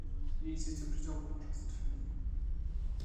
Il existe plusieurs branches à cette famille.